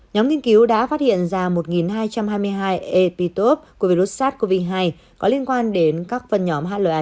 nhóm nghiên cứu đã phát hiện ra một hai trăm hai mươi hai epitope của virus sars cov hai có liên quan đến các phần nhóm hla chín